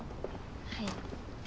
はい。